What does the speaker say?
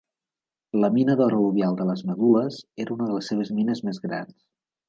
La mina d'or al·luvial de Las Medulas era una de les seves mines més grans.